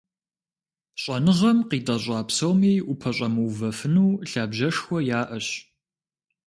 ЩӀэныгъэм къитӀэщӀа псоми упэщӀэмыувэфыну, лъабжьэшхуэ яӀэщ.